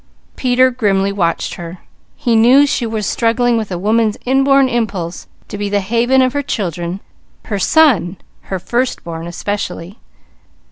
Peter grimly watched her. He knew she was struggling with a woman's inborn impulse to be the haven of her children, her son, her first born, especially.